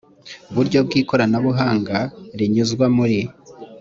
buryo bw ikoranabuhanga rinyuzwa muri